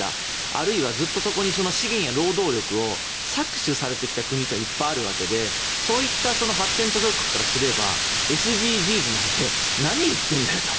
あるいは資源や労働力を搾取されてきた国というのはいっぱいあるわけでそういった発展途上国からすればＳＤＧｓなんて何を言っているんだと。